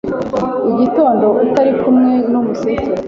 Igitondo utari kumwe ni umuseke